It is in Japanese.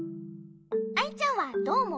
アイちゃんはどうおもう？